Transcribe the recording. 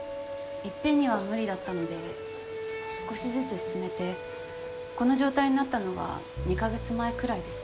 いっぺんには無理だったので少しずつ進めてこの状態になったのは２カ月前くらいですかね。